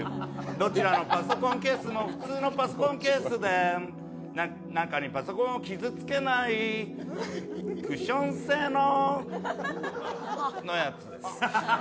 どちらのパソコンケースも普通のパソコンケースで、中にパソコンを傷つけないクッション性ののやつです。